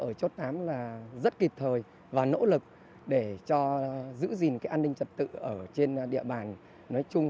ở chốt tám là rất kịp thời và nỗ lực để cho giữ gìn cái an ninh trật tự ở trên địa bàn nói chung